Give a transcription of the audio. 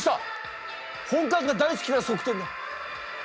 本官が大好きな側転だ。